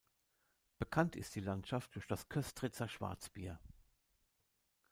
Bekannt ist die Landstadt durch das Köstritzer Schwarzbier.